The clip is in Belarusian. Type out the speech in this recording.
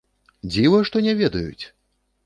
Дзіва што не ведаюць!